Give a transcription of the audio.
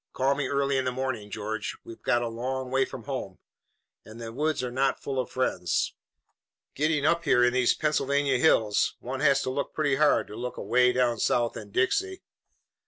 "Call me early in the morning, George. We're a long way from home, and the woods are not full of friends. Getting up here in these Pennsylvania hills, one has to look pretty hard to look away down South in Dixie."